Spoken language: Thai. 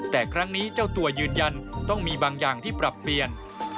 แต่ครั้งนี้เจ้าตัวยืนยันต้องมีบางอย่างที่ปรับเปลี่ยน